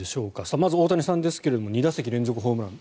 まず大谷さんですが２打席連続ホームラン。